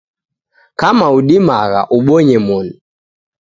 Kama udimagha, ubonye moni